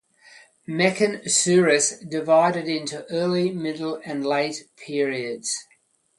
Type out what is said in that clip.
Meccan suras divided into early, middle, and late periods.